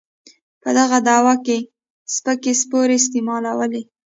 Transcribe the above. په دغه دعوه کې سپکې سپورې استعمالوي.